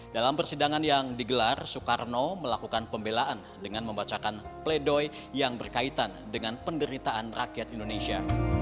dalam persidangan yang digelar soekarno melakukan pembelaan dengan membacakan pledoi yang berkaitan dengan penderitaan rakyat indonesia